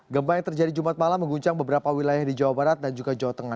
gempa yang terjadi jumat malam mengguncang beberapa wilayah di jawa barat dan juga jawa tengah